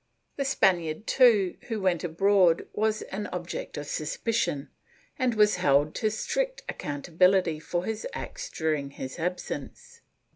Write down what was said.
^ The Spaniard, too, who went abroad was an object of suspicion, and was held to strict accountability for his acts during absence.